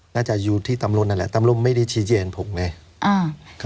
น่าจะอยู่ที่ตำรมนั่นแหละตำรมไม่ได้ชี้เจียนผงเลย